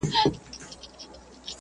ماشوم منډه کړه او پټ شو.